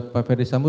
pak ferdis sampo